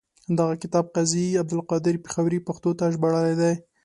دغه کتاب قاضي عبدالقادر پیښوري پښتو ته ژباړلی دی.